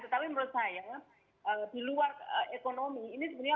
tetapi menurut saya di luar ekonomi ini sebenarnya